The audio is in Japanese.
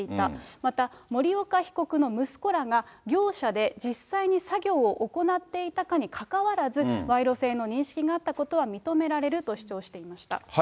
また、森岡被告の息子らが業者で実際に作業を行っていたかにかかわらず、賄賂性の認識があったことは認められると主張していました。